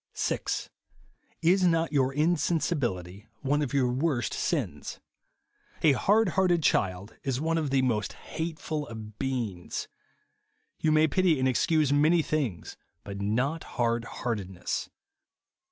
6. Is not your insensibility one of your vjorst sins. A hard hearted child is one of the most hateful of beings. You may pity and excuse many things, but not hard heartedness.